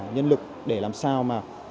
nhân lực để làm sao mà